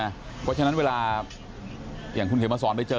เพราะฉะนั้นเวลาอย่างคุณเขมสอนไปเจอ